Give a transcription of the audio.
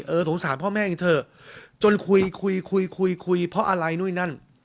สงสารพ่อแม่กันเถอะจนคุยคุยคุยคุยคุยคุยเพราะอะไรนู่นนั่น